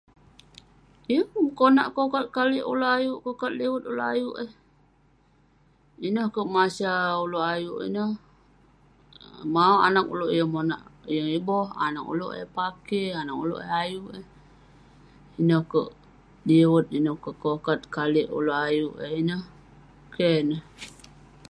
Yeng pun konak kokat kalik uleuk ayuk, kokat liwet uleuk ayuk eh. Ineh kek masa uleuk ayuk, ineh. um maok anaq uleuk yeng monak yeng iboh, anaq uleuk eh pakey, anaq uleuk eh ayuk eh. Ineh kek liwet, ineh kek kokat kalik uleuk ayuk eh ineh. Keh ineh.